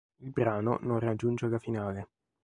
Il brano non raggiunge la finale.